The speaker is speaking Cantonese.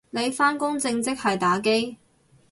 你返工正職係打機？